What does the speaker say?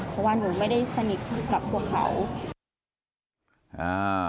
เพราะว่าหนูไม่ได้สนิทกับพวกเขา